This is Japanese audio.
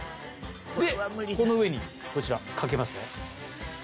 でこの上にこちらかけます。